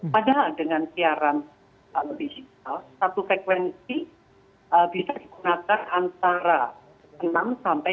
padahal dengan siaran digital satu frekuensi bisa digunakan antara enam sampai dua